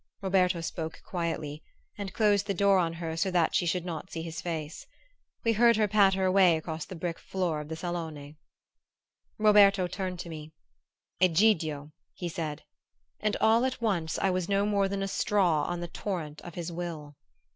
Roberto spoke quietly, and closed the door on her so that she should not see his face. We heard her patter away across the brick floor of the salone. Roberto turned to me. "Egidio!" he said; and all at once I was no more than a straw on the torrent of his will.